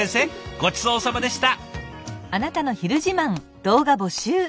ごちそうさまでした。